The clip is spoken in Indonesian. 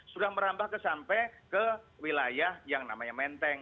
sudah merambah sampai ke wilayah yang namanya menteng